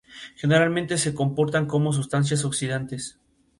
El poeta buscaba precisamente acercarse más al pueblo.